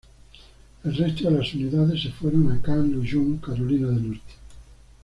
El resto de las unidades se fueron a Camp Lejeune, Carolina del Norte.